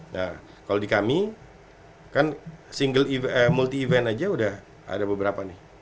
nah kalau di kami kan single event multi event aja udah ada beberapa nih